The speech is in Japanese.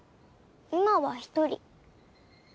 今は１人。